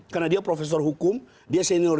karena dia profesor hukum dia senior